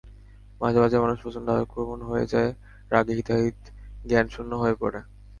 মাঝে মাঝে মানুষ প্রচণ্ড আবেগপ্রবণ হয়ে যায়, রাগে হিতাহিত জ্ঞানশূন্য হয়ে পড়ে।